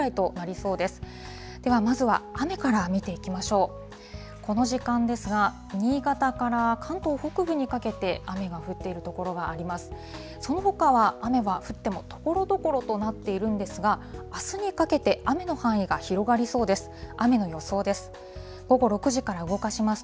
そのほかは雨は降っても、ところどころとなっているんですが、あすにかけて、雨の範囲が広がりそうです。